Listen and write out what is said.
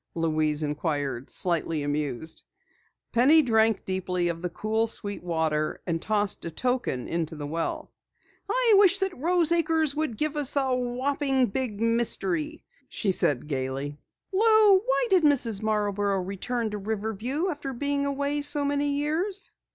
Louise inquired, slightly amused. Penny drank deeply of the cool, sweet water, and tossed a token into the well. "I wish that Rose Acres would give us a whopping big mystery!" she said gaily. "Lou, why did Mrs. Marborough return to Riverview after being away so many years?"